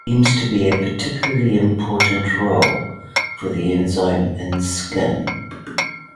There seems to be a particularly important role for the enzyme in skin.